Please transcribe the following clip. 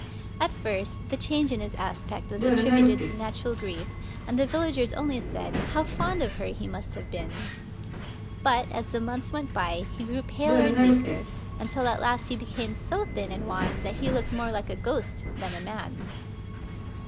At first the change in his aspect was attributed to natural grief, and the villagers only said, "How fond of her he must have been !'* But, as the months went by, he grew paler and weaker, until at last he became so thin and wan that he looked more like a ghost than a man.